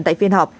tại phiên họp